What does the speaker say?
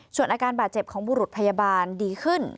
ส่วนอาการบาดเจ็บของบุรุษพยาบาลดีขึ้น